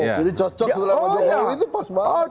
jadi cocok sudah sama jokowi itu pas banget